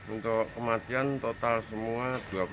untuk kematian total semua dua puluh